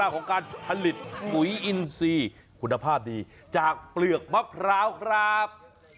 ของการผลิตปุ๋ยอินซีคุณภาพดีจากเปลือกมะพร้าวครับ